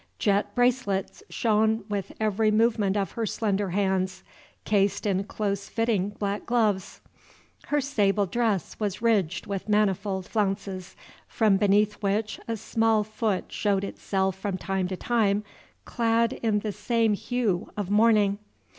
Jet bracelets shone with every movement of her slender hands, cased in close fitting black gloves. Her sable dress was ridged with manifold flounces, from beneath which a small foot showed itself from time to time, clad in the same hue of mourning.